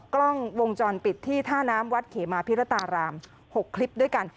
กล้องวงจรปิดที่ท่าน้ำวัดเขมาพิรตาราม๖คลิปด้วยกัน